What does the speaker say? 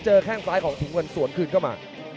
เจอแค่งซ้ายของถุงเงินสวนกลับมา